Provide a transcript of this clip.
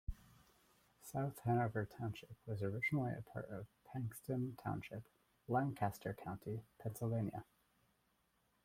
South Hanover Township was originally a part of Paxtang Township, Lancaster County, Pennsylvania.